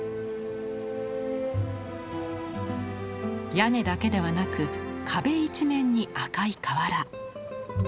屋根だけではなく壁一面に赤い瓦。